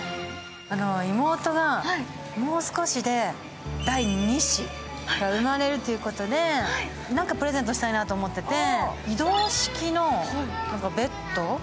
妹がもう少しで第２子が生まれるということで何かプレゼントしたいなと思ってて。